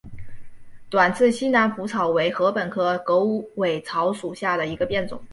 短刺西南莩草为禾本科狗尾草属下的一个变种。